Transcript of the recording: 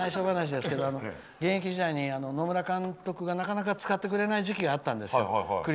現役時代に、野村監督がなかなか使ってくれない時期があったんですよ。